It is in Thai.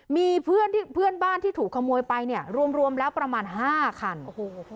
มีเพื่อนบ้านที่ถูกขโมยไปเนี่ยรวมแล้วประมาณ๕ครรภ์